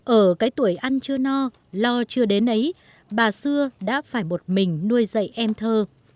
ở cái tuổi ăn chưa no lo chưa đến ấy bà xưa đã phải một mình nuôi dạy em thơ